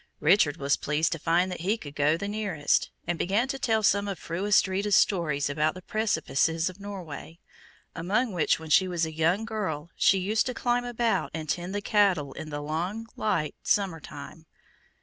Richard was pleased to find that he could go the nearest, and began to tell some of Fru Astrida's stories about the precipices of Norway, among which when she was a young girl she used to climb about and tend the cattle in the long light summer time.